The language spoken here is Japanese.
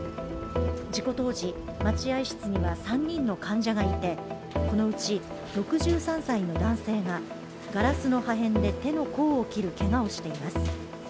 事故当時、待合室には３人の患者がいてこのうち６３歳の男性がガラスの破片で手の甲を切るけがをしています。